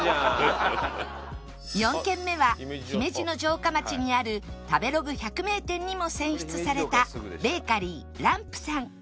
４軒目は姫路の城下町にある食べログ百名店にも選出された Ｂａｋｅｒｙ 燈 Ｌａｍｐ さん